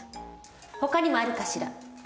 ほかにもあるかしら。